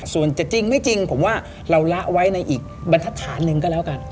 ส่วนจะจริงไม่จริงผมว่าเราละไว้ในอีกบรรทัศนหนึ่งก็แล้วกัน